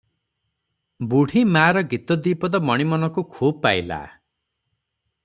ବୁଢ଼ୀ ମାଆର ଗୀତ ଦିପଦ ମଣିମନକୁ ଖୁବ୍ ପାଇଲା ।